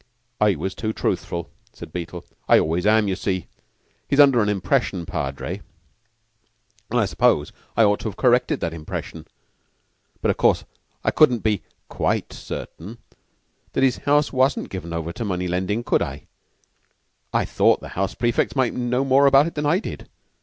"I was too truthful," said Beetle. "I always am. You see, he was under an impression, Padre, and I suppose I ought to have corrected that impression; but of course I couldn't be quite certain that his house wasn't given over to money lendin', could I? I thought the house prefects might know more about it than I did.